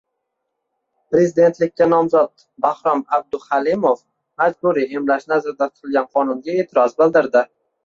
Prezidentlikka nomzod Bahrom Abduhalimov majburiy emlash nazarda tutilgan qonunga e’tiroz bildirdi